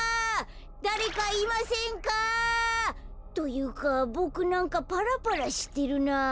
だれかいませんか？というかボクなんかパラパラしてるなぁ。